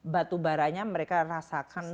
batubaranya mereka rasakan